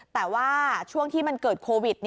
แต่ว่าช่วงที่มันเกิดโควิด